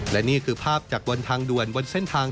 และนี่คือภาพจากบนทางด่วนบนเส้นทาง